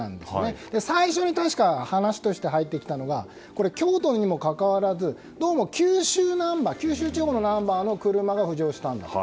確か、最初に話として入ってきたのは京都にもかかわらずどうも九州地方のナンバーの車が浮上したんだと。